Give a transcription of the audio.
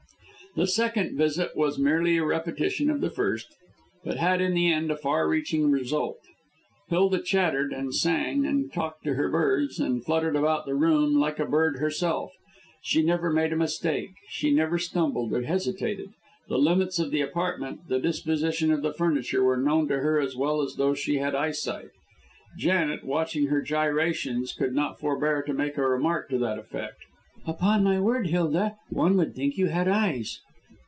The second visit was merely a repetition of the first, but had in the end a far reaching result. Hilda chattered, and sang, and talked to her birds, and fluttered about the room like a bird herself. She never made a mistake, she never stumbled or hesitated; the limits of the apartment, the disposition of the furniture, were known to her as well as though she had eyesight. Janet, watching her gyrations, could not forbear making a remark to that effect. "Upon my word, Hilda, one would think you had eyes!"